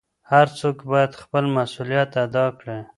هر څوک بايد خپل مسووليت ادا کړي.